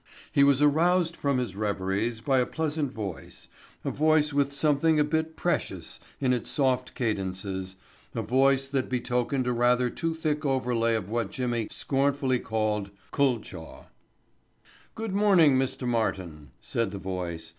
He was aroused from his reveries by a pleasant voice, a voice with something a bit "precious" in its soft cadences, a voice that betokened a rather too thick overlay of what Jimmy scornfully called "culchaw." "Good morning, Mr. Martin," said the voice.